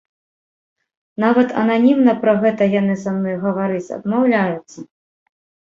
Нават ананімна пра гэта яны са мной гаварыць адмаўляюцца.